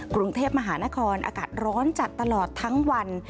กรุงเทพมหานครอากาศร้อนจัดตลอดทั้งวัน